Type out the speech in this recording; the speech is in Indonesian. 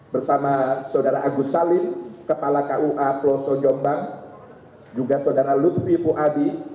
bersama saudara agus salim kepala kua peloso jombang juga saudara lutfi puadi